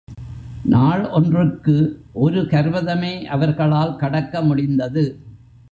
நாள் ஒன்றுக்கு ஒரு கர்வதமே அவர்களால் கடக்க முடிந்தது.